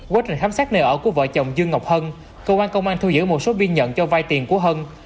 quá trình khám xét nơi ở của vợ chồng dương ngọc hân cơ quan công an thu giữ một số viên nhận cho vai tiền của hân